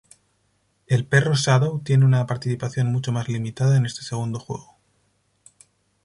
El perro Shadow tiene una participación mucho más limitada en este segundo juego.